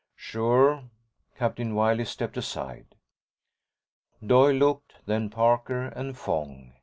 "Sure." Captain Wiley stepped aside. Doyle looked, then Parker and Fong.